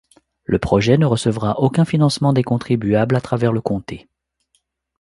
Le projet ne recevra aucun financement des contribuables à travers le comté.